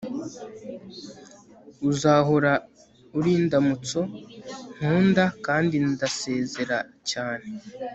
uzahora uri indamutso nkunda kandi ndasezera cyane